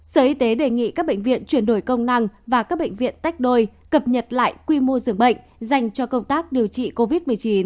sở y tế đề nghị các bệnh viện chuyển đổi công năng và các bệnh viện tách đôi cập nhật lại quy mô dường bệnh dành cho công tác điều trị covid một mươi chín